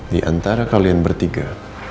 di antara kalian bertiga